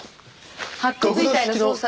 白骨遺体の捜査。